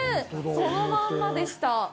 そのまんまでした。